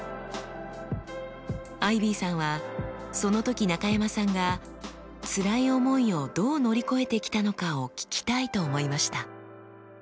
アイビーさんはその時中山さんが辛い思いをどう乗り越えてきたのかを聞きたいと思いました。